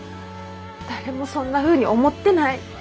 誰もそんなふうに思ってない。